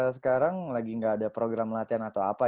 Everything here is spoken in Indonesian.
sekarang lagi nggak ada program latihan atau apa